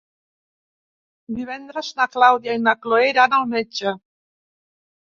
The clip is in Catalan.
Divendres na Clàudia i na Cloè iran al metge.